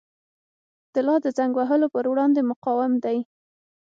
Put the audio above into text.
طلا د زنګ وهلو پر وړاندې مقاوم دی.